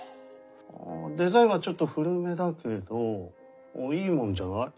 デザインはちょっと古めだけどいいもんじゃない？